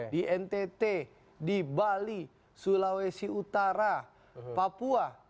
di ntt di bali sulawesi utara papua